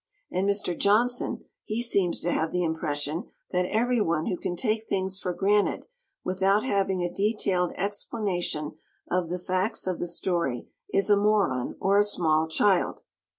And Mr. Johnson he seems to have the impression that everyone who can take things for granted without having a detailed explanation of the facts of the story is a moron or a small child.